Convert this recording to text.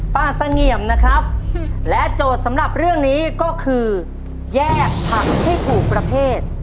เสงี่ยมนะครับและโจทย์สำหรับเรื่องนี้ก็คือแยกผักให้ถูกประเภท